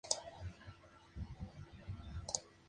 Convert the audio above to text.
Es la sede episcopal de la Arquidiócesis de L'Aquila.